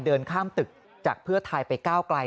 เดินข้ามตึกจากเพื่อไทยไปก้าวไกล